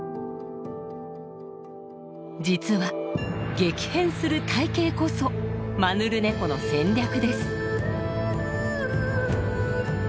実は激変する体型こそマヌルネコの戦略です。